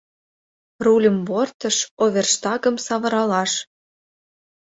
— Рульым бортыш, оверштагым савыралаш!